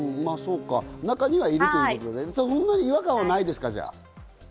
中には、いるということで、そんなに違和感はないですか？